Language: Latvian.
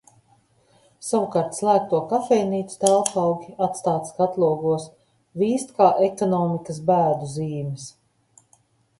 Savukārt slēgto kafejnīcu telpaugi, atstāti skatlogos, vīst kā ekonomikas bēdu zīmes.